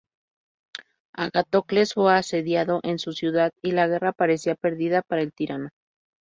Agatocles fue asediado en su ciudad y la guerra parecía perdida para el tirano.